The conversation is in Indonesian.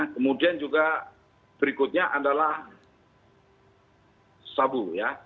kemudian juga berikutnya adalah sabu ya